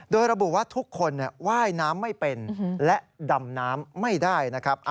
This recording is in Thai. โดยระบุว่าทุกคนว่ายน้ำไม่เป็นและดำน้ำไม่ได้นะครับ